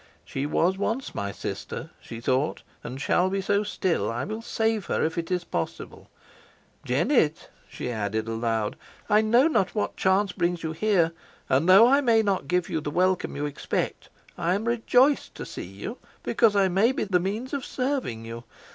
"She was once my sister," she thought, "and shall be so still. I will save her, if it be possible." "Jennet," she added aloud, "I know not what chance brings you here, and though I may not give you the welcome you expect, I am rejoiced to see you, because I may be the means of serving you.